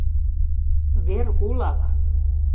Вер улак